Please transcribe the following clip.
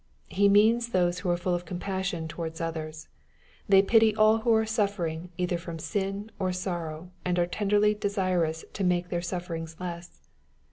He means those who are full of compassion towards others. They pity all who are suftering either firom sin or sorrow, and are tenderly desirous to make their sufferings less.